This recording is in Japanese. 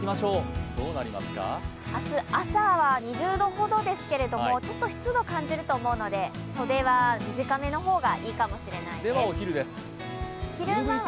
明日朝は２０度ほどですけど、ちょっと湿度を感じると思うので袖は短めの方がいいかもしれないです。